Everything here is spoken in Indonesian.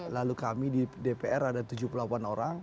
lalu kami di dpr ada tujuh puluh delapan orang